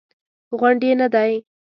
غونډ یې نه دی.